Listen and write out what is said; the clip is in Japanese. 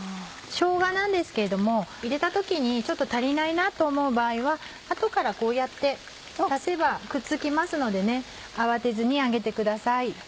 しょうがなんですけれども入れた時にちょっと足りないなと思う場合は後からこうやって足せばくっつきますので慌てずに揚げてください。